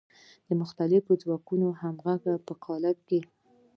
د مختلفو ځواکونو د همغږۍ په قالب کې.